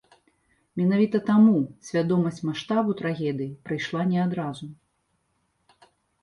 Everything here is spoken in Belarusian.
Менавіта таму свядомасць маштабу трагедыі прыйшла не адразу.